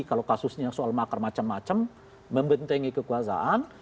kalau kasusnya soal makar macam macam membentengi kekuasaan